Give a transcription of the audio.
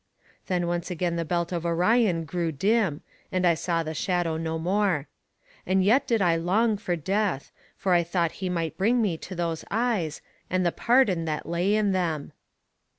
Then once again the belt of Orion grew dim, and I saw the shadow no more. And yet did I long for Death, for I thought he might bring me to those eyes, and the pardon that lay in them.